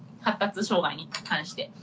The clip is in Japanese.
発達障害に関して。